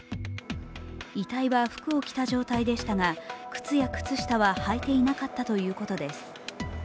遺体は服を着た状態でしたが靴や靴下ははいていなかったということです。